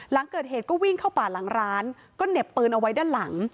หลังเกิดเหตุก็วิ่งเข้าป่าหลังร้านก็เหน็บปืนเอาไว้ด้านหลัง